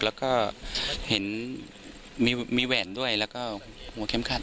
แล้วก็เห็นมีแหวนด้วยแล้วก็หัวเข้มข้น